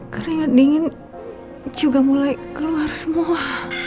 karena dingin juga mulai keluar semua